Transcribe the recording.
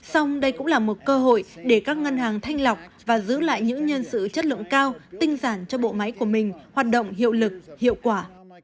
xong đây cũng là một cơ hội để các ngân hàng thanh lọc và giữ lại những nhân sự chất lượng cao tinh giản cho bộ máy của mình hoạt động hiệu lực hiệu quả